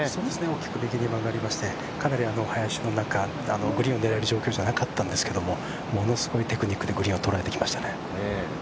大きく右に曲げまして、かなり林の中、グリーンを狙える状況じゃなかったんですけど、ものすごいテクニックでグリーンをとらえてきました。